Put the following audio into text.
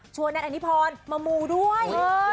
ชัวร์แนนอัธิพรมาหมูด้วย